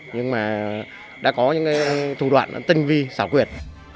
nhưng mà đã có những thủ đoạn tinh vi xảo quyệt